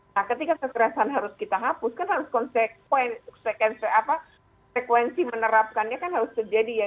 nah ketika kekerasan harus kita hapus kan harus konsekuensi menerapkannya kan harus terjadi ya